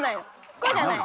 こうじゃない。